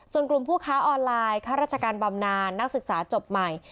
ส่วนกลุ่มผู้ค้าออนไลน์ค่าราชการบำนานนักศึกษาจบใหม่